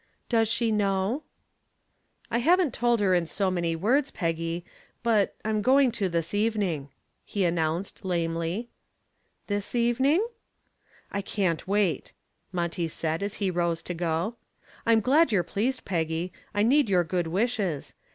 "Does she know?" "I haven't told her in so many words, Peggy, but but I'm going to this evening," he announced, lamely. "This evening?" "I can't wait," Monty said as he rose to go. "I'm glad you're pleased, Peggy; I need your good wishes.